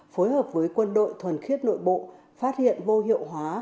phối hợp với quân đội thuần khiết nội bộ phát hiện vô hiệu hóa